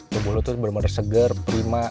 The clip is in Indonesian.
tubuh lu tuh bener bener segar prima